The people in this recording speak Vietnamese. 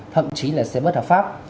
thậm chí là xe bất hợp pháp